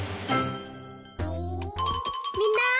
みんな！